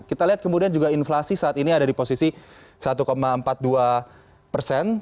kita lihat kemudian juga inflasi saat ini ada di posisi satu empat puluh dua persen